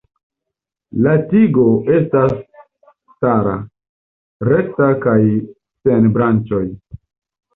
La tigo estas stara, rekta kaj sen branĉoj.